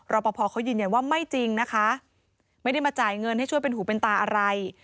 ปภเขายืนยันว่าไม่จริงนะคะไม่ได้มาจ่ายเงินให้ช่วยเป็นหูเป็นตาอะไร